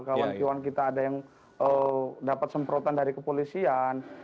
kawan kawan kita ada yang dapat semprotan dari kepolisian